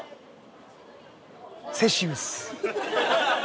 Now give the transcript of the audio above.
セシウス。